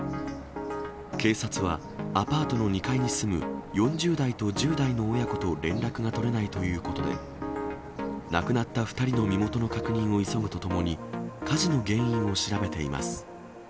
警察は、アパートの２階に住む４０代と１０代の親子と連絡が取れないということで、亡くなった２人の身元の確認を急ぐとともに、火事の原因を調べています。